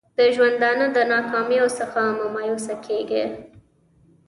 د ژوندانه د ناکامیو څخه مه مایوسه کېږه!